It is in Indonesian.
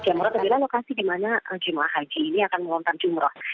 jamurat adalah lokasi di mana jemaah haji ini akan melontar jumroh